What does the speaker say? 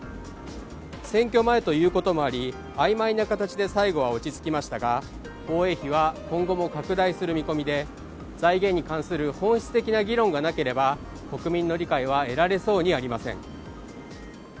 選挙前ということもあり曖昧な形で最後は落ち着きましたが、防衛費は今後も拡大する見込みで財源に関する本質的な議論がなければ国民の理解は得られそうにありません。